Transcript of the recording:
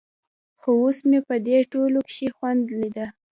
خو اوس مې په دې ټولو کښې خوند ليده.